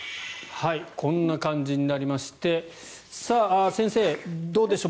こんな感じになりまして先生、どうでしょう。